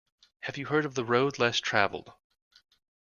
Have you heard of The Road Less Travelled?